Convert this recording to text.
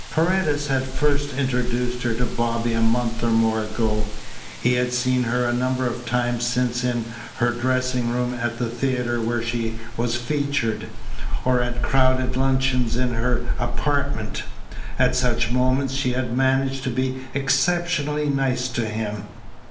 Paredes had first introduced her to Bobby a month or more ago. He had seen her a number of times since in her dressing room at the theatre where she was featured, or at crowded luncheons in her apartment. At such moments she had managed to be exceptionally nice to him.